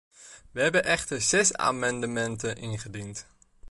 Wij hebben echter zes amendementen ingediend.